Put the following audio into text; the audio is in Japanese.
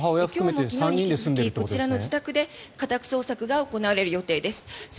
今日もこちらの自宅で家宅捜索が行われる予定です。